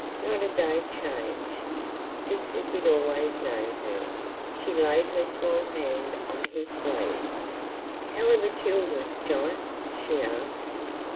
Not a day changed. Just as he'd always known her. She laid her small hand on his sleeve. "How are the children, John?" she asked.